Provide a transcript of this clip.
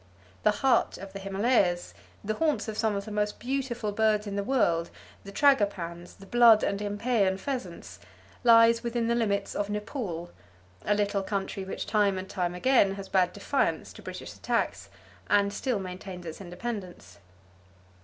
The heart of the Himalayas,—the haunts of some of the most beautiful birds in the world, the tragopans, the blood and impeyan pheasants—lies within the limits of Nepal, a little country which time and time again has bade defiance to British attacks, and still maintains its independence.